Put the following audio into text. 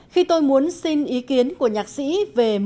khi tôi muốn xin ý kiến của nhạc sĩ về một mươi bảy